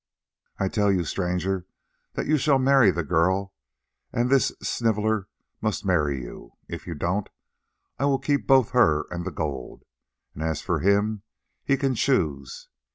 "I tell you, stranger, that you shall marry the girl, and this sniveller must marry you. If you don't, I will keep both her and the gold. And as for him, he can choose.